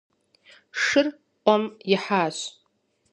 Шыр ӏуэм ихьащ.